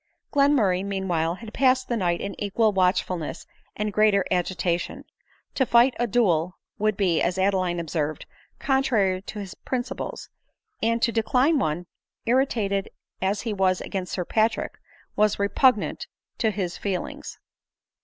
Glenmurray meanwhile, had passed the night in equal watchfulness and greater agitation. To fight a duel, would be, as Adeline observed, contrary to his princi ples ; and to decline one, irritated as he was against Sir Patrick, was repugnant to his feelings.